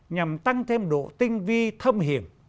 nhằm tăng thêm độ tinh vi thâm hiểm